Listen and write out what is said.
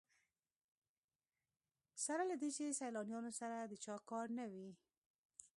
سره له دې چې سیلانیانو سره د چا کار نه وي.